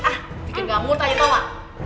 ah bikin gak ngurut aja tau ma